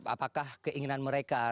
apakah keinginan mereka